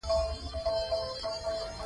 په نړۍ کې څلور ډوله هېوادونه دي.